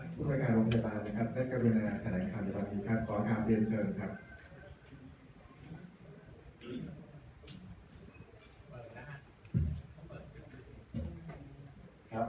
เชิญท่านผู้ประกาศวงศ์พยาบาลนะครับได้กรุณาแสดงคำอยู่ตอนนี้ครับ